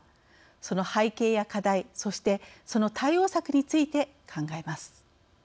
その背景や課題そしてその対応策について考えます。